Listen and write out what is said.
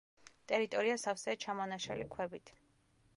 ტერიტორია სავსეა ჩამონაშალი ქვებით.